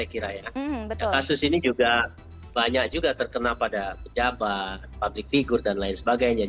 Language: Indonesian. kasus ini juga banyak juga terkena pada pejabat publik figure dan lain sebagainya